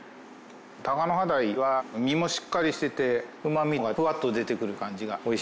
タカノハダイは身もしっかりしててうまみがフワッと出てくる感じがおいしいですよ。